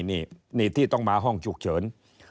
นี่ที่ต้องมาห้องฉุกเฉิน